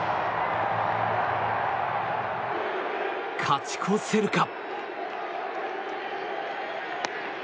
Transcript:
勝ち越せるか。